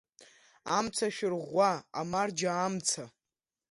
Амца шәырӷәӷәа, амарџьа, амца.